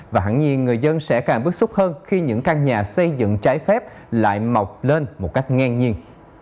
và hẳn nhiên người dân sẽ càng bức xúc hơn khi những căn nhà xây dựng trái phép lại mọc lên một cách ngang nhiên